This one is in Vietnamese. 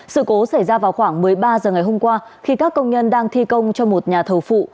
sự cố xảy ra vào khoảng một mươi ba h ngày hôm qua khi các công nhân đang thi công cho một nhà thầu phụ